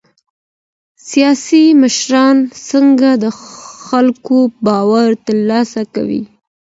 سياسي مشران څنګه د خلګو باور ترلاسه کوي؟